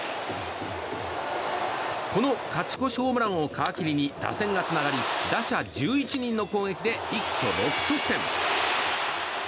この勝ち越しホームランを皮切りに打線がつながり打者１１人の攻撃で一挙６得点。